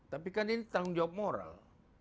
tapi kan ini tanggung jawab moral